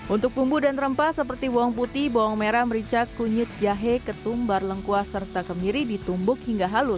untuk bumbu dan rempah seperti bawang putih bawang merah merica kunyit jahe ketumbar lengkuas serta kemiri ditumbuk hingga halus